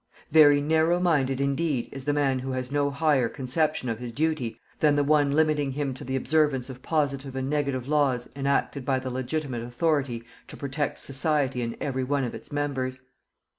Very narrow minded indeed is the man who has no higher conception of his duty than the one limiting him to the observance of positive and negative laws enacted by the legitimate authority to protect society and every one of its members.